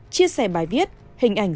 chia sẻ bài viết hình ảnh